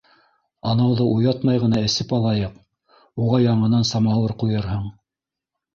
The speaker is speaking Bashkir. Анауҙы уятмай ғына эсеп алайыҡ, уға яңынан самауыр ҡуйырһың.